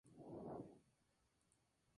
Las hojas están deformadas en la base.